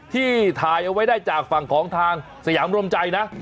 ที่ถ่ายเอาไว้ได้จากฝั่งของทางสยามรวมใจนะ